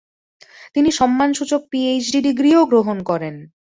তিনি সম্মানসূচক পিএইচডি ডিগ্রিও গ্রহণ করেন।